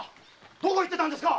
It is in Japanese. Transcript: どこへ行ってたんですか！